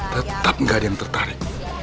tetap nggak ada yang tertarik